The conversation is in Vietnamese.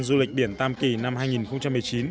du lịch biển tam kỳ năm hai nghìn một mươi chín